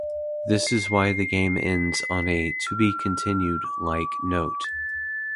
This is why the game ends on a "To be continued" like note.